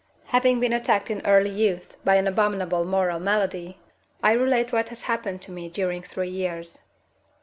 Having been attacked in early youth by an abominable moral malady, I relate what has happened to me during three years.